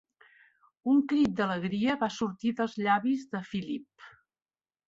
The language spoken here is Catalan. Un crit d'alegria va sortir dels llavis de Philip.